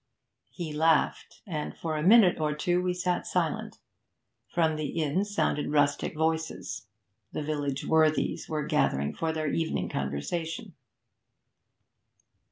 He laughed, and for a minute or two we sat silent. From the inn sounded rustic voices; the village worthies were gathered for their evening conversation.